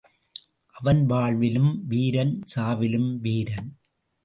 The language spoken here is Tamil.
அவன் வாழ்விலும் வீரன், சாவிலும் வீரன்.